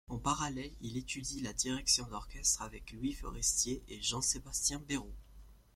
En parallèle, il étudie la direction d'orchestre avec Louis Fourestier et Jean-Sébastien Béreau.